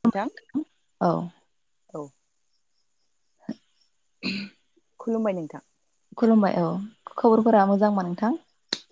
नोंथां औ औ [inaudible] खुलुमबाय नोंथां। खुलुमबाय औ ख'बरफोरा मोजां बा नोंथां?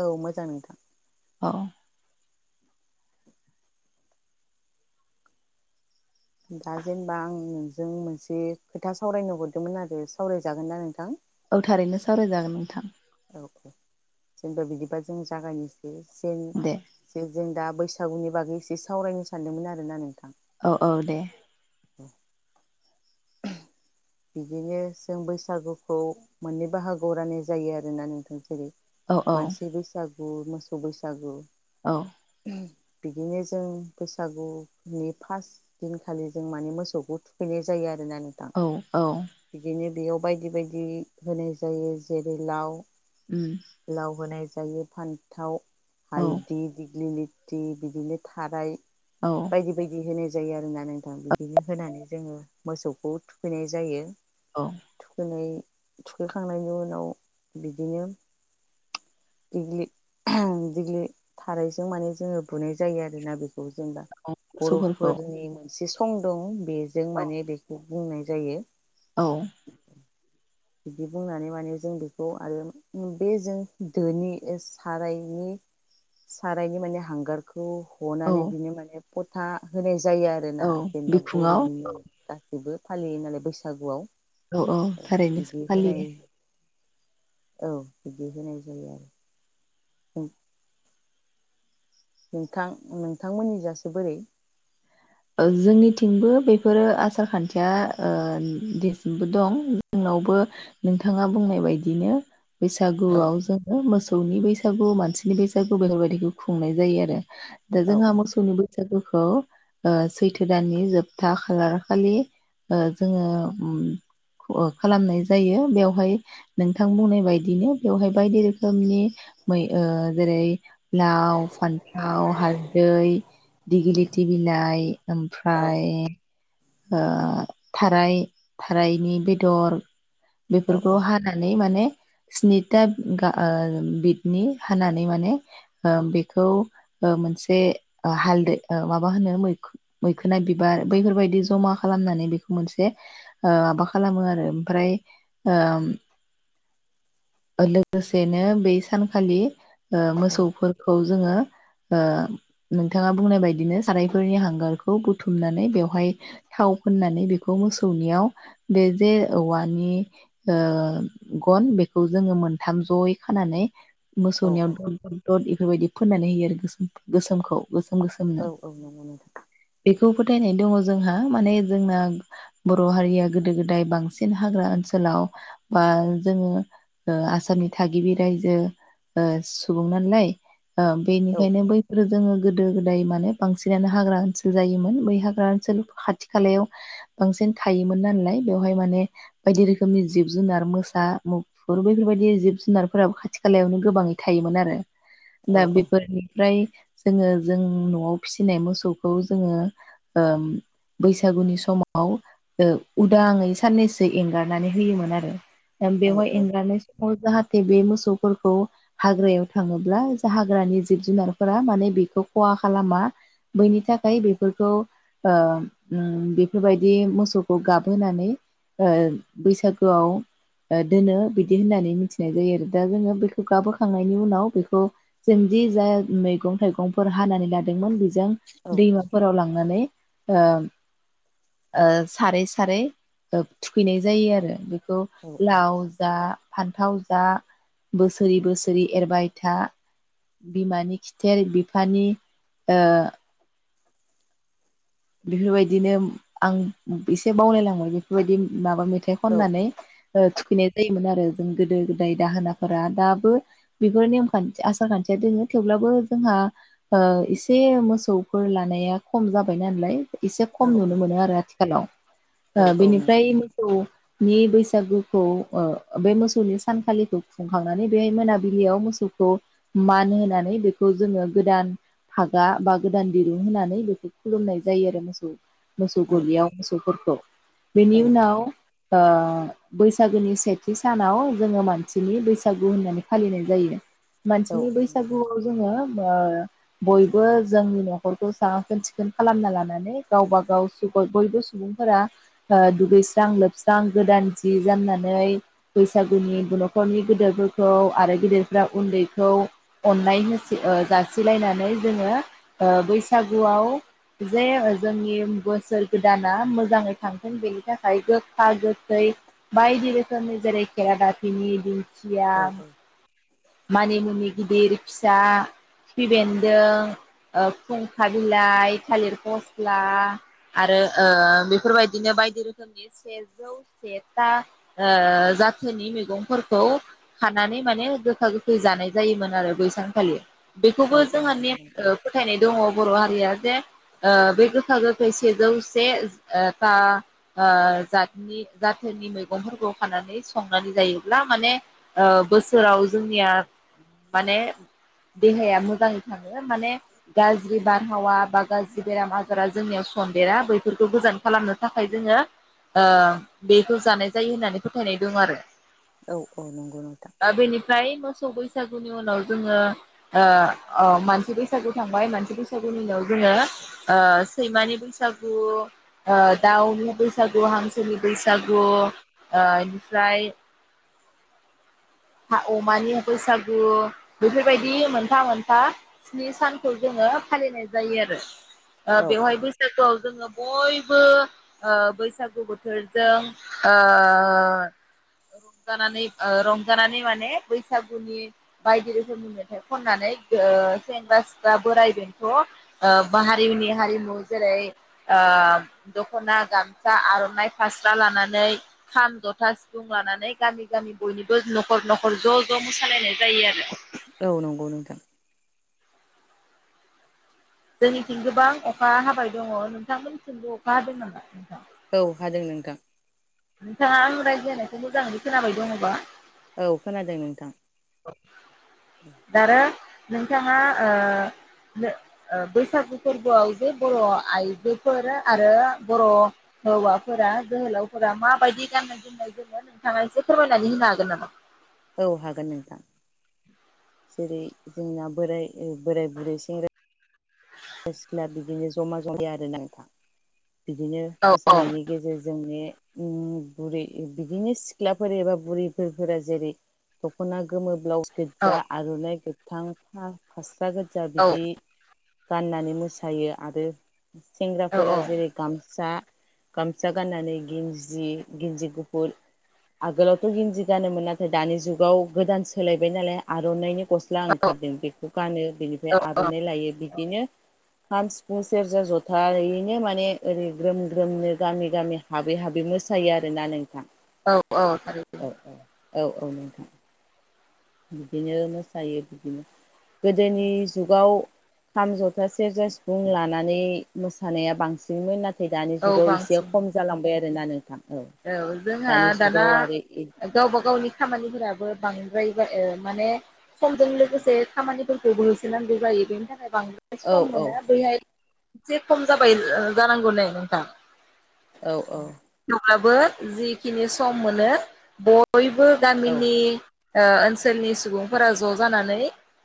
औ मोजां नोंथां। औ दा जेनेबा आं नोंजों मोनसे खोथा सावरायनो हरदोंमोन आरो सावरायजागोन ना नोंथां? औ थारैनो सावरायजागोन नोंथां औ जोंबो बिदिबा जों जागायनि जें दे जे जों दा बैसा सागुनि बागै एसे सावरायनो सानदोंमोन आरोना नोंथां औ औ दे [inaudible] बिदिनो जों बैसागुखौ मोननै बाहागोआव राननाय जायो आरोना नोंथां जेरै औ औ मानसि बैसाग गु मोसौ बैसागु औ बिदिनो जों बैसागुनि फार दिनखालि जों माने मोसौखौ थुखैनाय जायो आरो ना नोंथां औ औ बिदिनो बेयाव बायदि बायदि होनाय जायो जेरै लाव उम लाव होनाय जा फायो फान्थाव औ हालदि दिग्लिलि थि, बिदिनो थाराय औ बायदि बायदि होनो जायो आरोना नोंथां बिदिनो होनानै जोङो मोसौखौ थुैनायज जायो औ थुखैनाय थुखैखांनायनि उनाव बिदिनो दिग्लि दिग्लि थारायजों माने जोङो बुनाय जायो आरोना बेखौ औ जों दा औ मोसौफोरखौ बर'फोरनि मोनसे सु सं दं बेजों औ माने बेखौ बुंनाय जायो। औ बिदि बुंनानै माने जों बेखौ आरो बे जों दोनि सारायनि सारायनि माने हांगारखौ खौ औ हनानै बिनो माने फथा होनायज जायो औ आरोना जेनेबा बिखुङाव बर'नि नेम गासिबो फालियो नालाय बैसागुआव औ औ थारै बिदि होनाय औ बिदि होनाय जायो आरो उम नोंथां नोंथांमोननि जासे बोरै ओ जोंनिथिंबो बेफोरो आसार खान्थिया ओ देसिमबो दं जोंनावबो नोंथाङा बुंनाय बायदिनो। औ बैसागुआव जोङो मोसौ मोसौनि बैसागु मानसिनि बैसागु बेफोरबायदिखौ खुंनाय जायो आरो दा औ जोंहा औ मोसौनि बो सागुखौ ओ सैथो दाननि जोबथा खालार खालि ओ जोङो उम खालामनाय जायो। बेवहाय नोंथां बुंनाय बायदिनो बेवहाय बायदि रोखोमनि मै ओ जेरै लाव फान्थाव हालदै दिग्लिथि बिला [unintelligible] ओमफ्राय औ ओ थाराय थारायनि बेदर औ बेफोरखौ हानानै माने स्निथा गा बिदनि हानानै माने बिखौ ओ मोनसे हालदै ओमाबा होनो मोखोना बिबिर जमा खालामनानै बेखौ मोनसे माबा खालामो आरो ओमफ्राय ओ लोगोसेनो बै सानखालि ओ औ मोसौफोरखौ जोङो ओ नोंथाङा बुंनाय बायदिनो सारायफोरनि हांगारखौ बुथुमनानै बेवहाय थाव फोननानै बेखौ मोसौनियाव बे जे औवानि ओ गन बेखौ जोङो मोनथाम जयै खानानै औ मोसौनियाव दद दद दद इफोरबायदि फोननानै होयो आरो गोसोम गोसोमखौ गोसोम औ गोसोमनो औ नंगौ नोंथां बेख खौ फोथायनाय दङ जोंहा माने जोंना बर हारिया गोदो गोदाय बांसिन हाग्रा ओनसोलाव बा जोङो आसामनि थागिबि रायजो ओ सुबुं नालाय औ बेनिखायनो औ बैफोरो जोङो गोदो गोदाय माने बांसिनानो हाग्रा ओनसोल जायोमोन बै हाग्रा ओनसोल खाथि खालायाव बांसिन थायोमोन नालाय बेवहाय माने बायदि रोखोमनि जिब जुनार मोसा मुफुर बैफोरबायदि जिब जुनारफोराबो खाथि खालायावनो गोबाङै थायोमोन आरो औ दा औ बिफोरनि फ्राय जोङो जों न'आव फिसिनाय मोसौखौ जोङो ओम बैसागुनि समाव ओ उदांङै साननैसो एंगारनानै होयोमोन आरो औ बेवहाय एंगारनाय जाहाथे बे मोसौफोरखौ हाग्रायाव थाङोब्ला हाग्रानि जिब जुनारफोरा माने बेखौ खहा खालामा बैनि थाखाय बेफोरखौ ओ उम बेफोरबायदि मोसौखौ गाबहोनानै ओ बैसागोआव दोनो बिदि होननानै मिथिनाय जायो। आरो दा जोङो बेखौ गाबहोखांनायनि उनाव बेखौ जोंदि जा मैगं थाइगंफोर हानानै लादों। मोन बेजों औ औ दैमाफोराव लांनानै। ओं ओ सारै सारै ओ थुखैनाय जायो आरो बे खौ औ लाव जा फान्थाव जा बोसोरै बोसोरै एरबाय था बिमानि खिथेर बिफानि ओ बेफोरबायदिनो आं एसे बावलायलांबाय बेफोरबायदि माबा मो मेथाइ खननानै ओ थुखैनाय जायोमोन आरो जों गोदो गोदाय दाहोनाफोरा दाबो बेफोर नेमखान्थि आसार खान्थिया दोङो थेवब्लाबो जोंहा ओ एसे मोसौफोर लानाया खम जाबाय बिनालाय एसे औ खम नुनो मोनो आरो हेल' ओ औ औ नंगौ बिनिफ्राय नोंथां मोसौ नि बैसागुखौ ओ बे मोसौनि सानखालिखौ खुंखांनानै बे मोनाबिलियाव मोसौखौ मान होनानै बेखौ जोङो गोदान हागा बा गोदान दिरुं होनानै बेखौ खुलुमनाय जायो आरो मोसौ। मोसौ औ गलियाव मोसौफोरखौ बेनि औ उनाव ओ‌ बैसागोनि सेथि सानाव जोङो मानसिनि बैसागु होननानै फालिनाय जायो। औ मानसिनि औ नंगौ बैसागुआव जोङो ओ बयबो जोंनि न'खरखौ साखोन सि खोन खालामना लानानै गावब गाव सु बयबो सुबुंफोरा दुगैस्रां लोबस्रां गोदान जि जोमनानै बैसागुनि न'खरनि गोदेरफोरखौ आरो गेदेरफ्रा उन्दैखौ अननाय होसि ओ जासिलायनानै जोङो बैसागुआव जे जोंनि बोसोर गोदाना मोजाङै थांथों बेनि थाखाय गोखा गोखै बायदि रोखोमनि जेरै खेेरादाफिनि दि खिया औ मानि मुनि गिदिर फिसा खिफिबेन्दों ओ फुंखा बिलाइ थालिर फस्ला आरो ओ बेफोरबायदिनो बायदि रोखोमनि सेजौ सेथा ओ जाथोनि मैगंफोरखौ खानानै माने गो गोखा गोखै जानाय जायोमोन आरो बैसांखालि। औ बेखौबो औ जोंहा नंगौ नेम नोंथां ओ फोथायनाय दङ बर' हा जे बे ओ गोखा गोखै सेजौ सेथा ओजाथनि जाथोनि मैगंफोरखौ खानानै संनानै जायोब्ला माने ओ बोसोराव जोंनिया माने देहाया मोजाङै थाङो माने गाज्रि बारहावा बा गाज्रि बेराम आजारा जोंनियाव सन्देरा बैफोरखौ गोजान खालामनो थाखाय जोङो ओ बेखौ जानाय जायो होननानै फोथायनाय दं आरो औ औ नंगौ नोंथां। फ्राय मोसौ बैसागुनि उनाव जोङो ओ ओ मानसि बैसागु थांबाय मानसि बैसागुनि उनाव जोङो ओ सैमानि बैसागु ओ दाउनि बैसागु हांसो सोनि बैसागु ओ इनिफ्राय अमानि बैसागु बेफोरबायदि मोनफा मोनफा स्नि सानखौ जोङो फालिनाय जायो आरो। ओ औ बेवहाय बैसागुआव जोङो बयबो ओ बैसागु बोथोरजों ओ रंजानानै ओ रंजानानै माने म बैसागुनि बायदि रोखोमनि मेथाइ खननानै सेंग्रा सिख्ला बोराइ बेंथ हारिनि हारिमु जेरै दखना गामसा आरनाइ फास्रा लानानै खाम जथा सिफुं लानानै गामि गामि बयनिबो नखर नखर र ज ज मोसालायनाय जायो आरो औ नंगौ नोंथां। जोंनिथिं गोबां अखा हाबाय दङ नोंथांमोनथिंबो अखा हादों नामा नोंथां? औ हादों नोंथां। नोंथाङा आं रायज्लायनायखौ मोजाङै खोनाबाय दङबा औ खोनादों नोंथां। दारा नोंथाङा ओ नो बैसागु फोरबोआव जे बर' आइजोफोर आरो बर' हौवाफोरा जोहोलावफोरा माबायदि गाननाय जोमनाय जोङो नोंथाङा एसे फोरमायनानै होनो हागोन नामा? औ हागोन नोंथां। जेरै जोंना बोराय बोराय बुरै सेंग्रा सेंग्रा सिख्ला बिदिनो जमा जमाया आरो नोंथां बिदिनो औ औ मोसानायनि गेजेरजोंनो उम बुरि बिदिनो सिख्लाफोर एबा बुरैफोरा जेरै दखना गोमोब्लाउस औ गोज्जा आरनाइफोर थांफा फास जागजा बिदि [unintelligible] गाननानै मोसायो आरो औ सेंग्राफोरा औ जेरै गामसा गामसा गाननानै गिन्जि गिन्जि गुफुर आगोलावथ गिन्जि गानोमोन नाथाय दानि जुगाव गोदान सोलायबाय नालाय आरनाइनि गस्ला ओंखारदों बेखौ गानो बेनिफ्राय औ आरनाइ लायो बि खाम, सिफुं, सेरजा, जथायैनो माने ओरै ग्रोम ग्रोमनो गामि गामि हाबै हाबै मोसायो आरोना नोंथां। औ औ थारैनो। औ औ औ। बिदिनोनो सायो बिदिनो गोदोनि जुगाव खाम जथा सेरजा सिफुं लानानै मोसानाया बांसिनमोन नाथ नाथाय दानि औ जुगाव एसे बांसिन खम जालांबाय आरो। आरो ना नोंथां। औ जोंहा दानि दाना जुगाव आरो गावबा गावनि खामानिफोराबो बांसिन [unintelligible] माने समजों लोगोसे खामानि थेवबो होसोनांगौ जायो बेनि थाखाय बांद्राय औ सम मोना बैहाय एसे खम जाबाय जानांगौ नै नोंथां। औ औ। अब्लाबो जिखिनि सम मोनो बयबो औ गामिनि ओ ओनसोलनि सुबुंफोरा ज' जानानै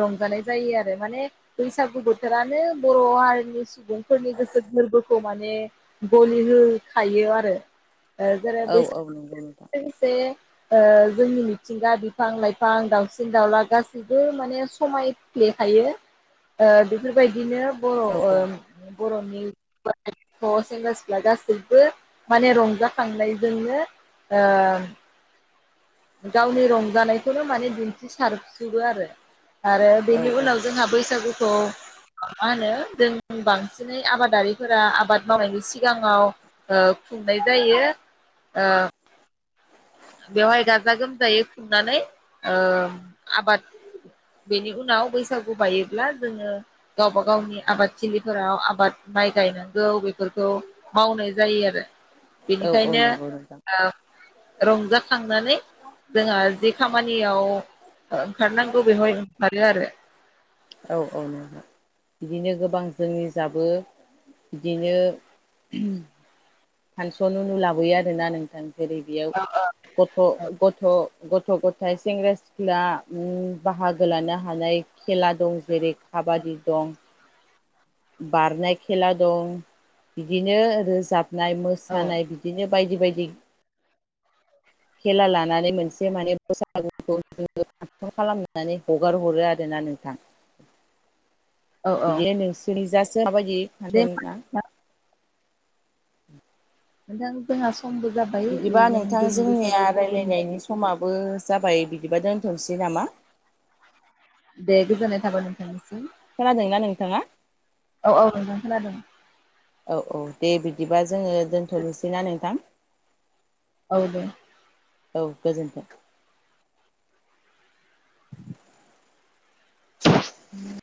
रंजानाय जायो आरो माने बैसागु बोथोरानो बर' हारिनि सुबुंफोरनि गोसो गोरबोखौ माने गलि होखायो आरो। ओ जेरै औ बैसा औ [unintelligible] नंगौ नोंथां लोगोसे ओ जोंनि मिथिंगा बिफां लाइफां दावसिन दाउला गासैबो माने समाय फ्लेखायो ओ बेफोरबायदिनो बर' औ ओ बर'ननि [unintelligible] सेंग्रा सिख्ला गासैबो माने रंजा खांलायजोंनो ओम गावनि रंजानायखौनो माने दिन्थि सारजोबो आरो। आरो औ बेनि उनाव जोंहा बैसागु खौ मा होनो जों बांसिनै आबादारिफोरा आबाद मावनायनि सि सिगाङाव ओ खुंनाय जायो। ओ बेवहाय गा गाजा गोमजायै खुंनानै ओ आबाद बेनि उनाव बैसागु बायोब्ला जोङो गावबा गावनि आबादथिलिफोराव आबाद माइ गायनांगौ बेफोर खौ मावनाय जायो आरो औ औ बेनिखायनो नंगौ नोंथां ओ रंजाखांनानै जोंहा जि खामानियाव ओंखारनांगौ बेवहाय ओंखारो आरो। औ औ [inaudible] बिदिनो गोबां जोंनि जाबो बिदिनो फानसन उनु लाबोयो आरोना नोंथां। जेरै बेयाव गथ' गथ' गथ गथ' गथाय सेंग्रा सिख्ला उम बाहागो लानो हानाय खेला दं जेरै खाबादि दं बारनाय खेला दं बिदिनो रोजाब नाय, मोसानाय औ बिदिनो बायदि बायद [unintelligible] खेला लानानै मोनसे माने [unintelligible] खालामनानै हगार हरो आरो ना नोंथां। औ औ बिदिनो नोसोरनि जास। [unintelligible] दि दे फानसन ना? होमबा उम नोंथां जोंहा स बिदिबा नोंथां जोंनिया फोरबोनि रायलायनायनि समाबो जाबाय बिदिबा दोनथनोसै नामा? दे गोजोननाय थाबाय नोंथांनिसिम। खोनादोंना नोंथाङा? औ औ नोंथां खोनादों। औ औ दे बिदिबा जोङो दोन्थ'नोसैना नोंथां? औ दे। औ गोजोनथों